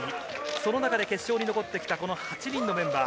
その中で決勝に残ってきた８人のメンバー。